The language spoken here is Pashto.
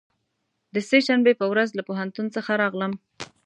د سه شنبې په ورځ له پوهنتون څخه راغلم.